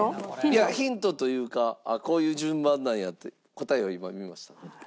いやヒントというかあっこういう順番なんやって答えを今見ました。